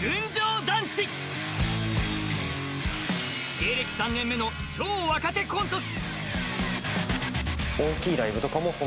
芸歴３年目の超若手コント師。